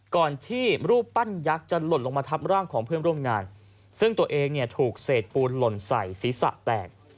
ก่อนที่รูปปั้นยักษ์จะหล่นลงมาทับร่างของเพื่อนร่วมงานซึ่งตัวเองเนี่ยถูกเศษปูนหล่นใส่ศีรษะแตก